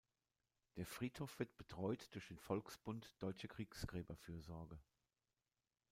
Der Friedhof wird betreut durch den Volksbund Deutsche Kriegsgräberfürsorge.